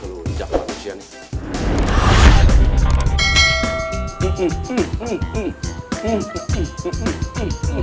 kelunjak manusia nih